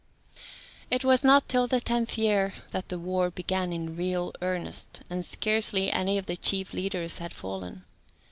It was not till the tenth year that the war began in real earnest, and scarcely any of the chief leaders had fallen.